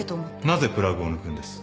なぜプラグを抜くんです？